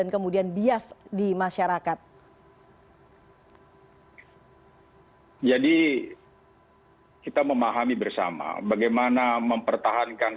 terima kasih pak